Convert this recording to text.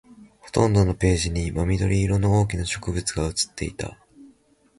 ほとんどのページに真緑色の大きな植物が写っていた